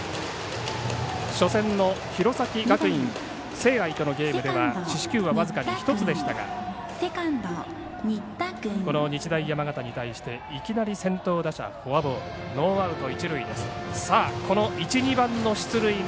初戦の弘前学院聖愛とのゲームでは四死球は僅かに１つでしたがこの日大山形に対していきなり先頭打者フォアボール。